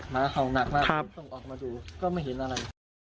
หมาเห่าหนักแล้วต้องออกมาดูก็ไม่เห็นอะไร